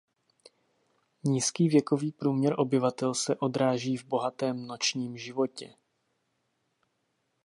Nízký věkový průměr obyvatel se odráží v bohatém nočním životě.